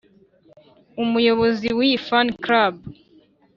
umuyobozi w’iyi fan club